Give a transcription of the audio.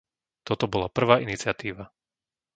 Toto bola prvá iniciatíva.